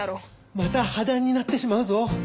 また破談になってしまうぞ。